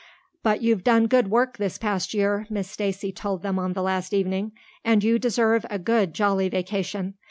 "But you've done good work this past year," Miss Stacy told them on the last evening, "and you deserve a good, jolly vacation.